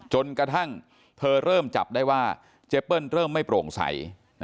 จนกระทั่งเธอเริ่มจับได้ว่าเจเปิ้ลเริ่มไม่โปร่งใส